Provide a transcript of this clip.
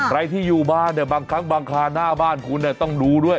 ใครที่อยู่บ้านเนี่ยบางครั้งบางคาหน้าบ้านคุณต้องดูด้วย